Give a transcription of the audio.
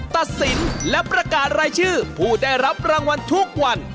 ตัดสินและประกาศรายชื่อผู้ได้รับรางวัลทุกวัน